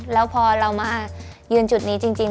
แล้วพอเรามายืนจุดนี้จริง